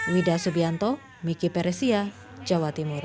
wida subianto miki peresia jawa timur